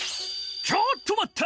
ちょっとまった！